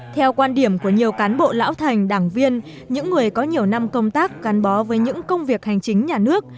theo quan điểm của nhiều cán bộ lão thành đảng viên những người có nhiều năm công tác gắn bó với những công việc hành chính nhà nước